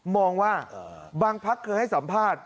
มองว่าบางพักเคยให้สัมภาษณ์